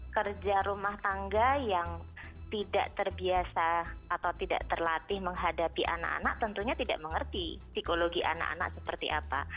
kerja rumah tangga yang tidak terbiasa atau tidak terlatih menghadapi anak anak tentunya tidak mengerti psikologi anak anak seperti apa